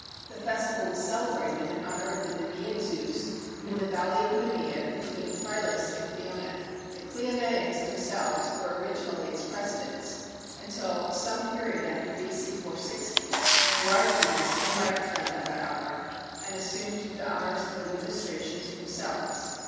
The festival was celebrated in honor of the Nemean Zeus, in the valley of Nemea between Philus and Cleonæ. The Cleonæans themselves were originally its presidents, until, some period after B.C. 460, the Argians deprived them of that honor and assumed the honors of administration to themselves.